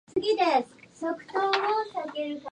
だけど、ゴミの山はただのゴミ山ではなかった、鉱脈の眠る鉱山だった